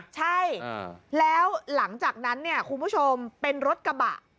ใช่แล้วหลังจากนั้นเนี่ยคุณผู้ชมเป็นรถกระบะ